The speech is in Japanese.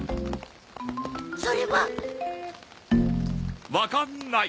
それは？わかんない！